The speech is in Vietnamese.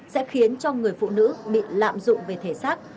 sẽ khiến cho người phụ nữ bị lạm dụng về thể xác